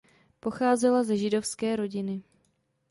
Pocházela ze židovské rodiny.